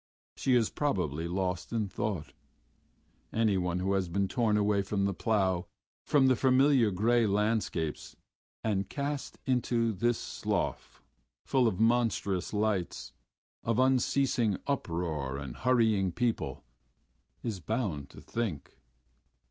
She is probably lost in thought. Anyone who has been torn away from the plough, from the familiar gray landscapes, and cast into this slough, full of monstrous lights, of unceasing uproar and hurrying people, is bound to think.